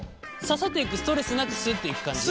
刺さっていくストレスなくスッといく感じ？